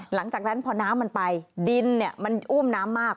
หลังจากนั้นพอน้ำมันไปดินมันอุ้มน้ำมาก